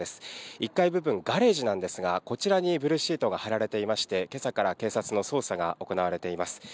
１階部分、ガレージなんですが、こちらにブルーシートが張られていまして、けさから警察の捜査が行われています。